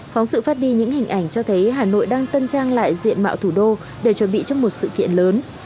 phóng sự phát đi những hình ảnh cho thấy hà nội đang tân trang lại diện mạo thủ đô để chuẩn bị cho một sự kiện lớn